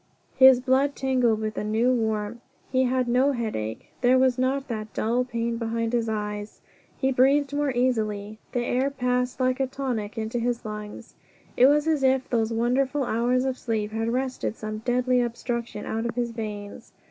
His blood tingled with a new warmth. He had no headache. There was not that dull pain behind his eyes. He breathed more easily the air passed like a tonic into his lungs. It was as if those wonderful hours of sleep had wrested some deadly obstruction out of his veins.